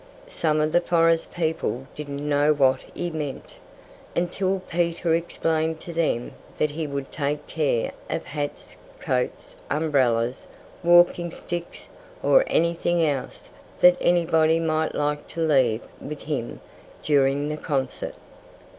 Some of the forest people didn't know what he meant, until Peter explained to them that he would take care of hats, coats, umbrellas, walking sticks, or anything else that anybody might like to leave with him during the concert.